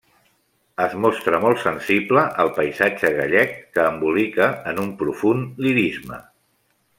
Es mostra molt sensible al paisatge gallec que embolica en un profund lirisme.